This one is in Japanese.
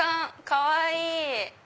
かわいい！